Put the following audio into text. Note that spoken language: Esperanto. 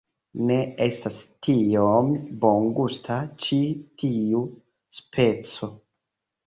Ne estas tiom bongusta ĉi tiu speco